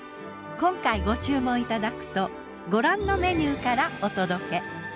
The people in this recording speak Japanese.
今回ご注文いただくとご覧のメニューからお届け。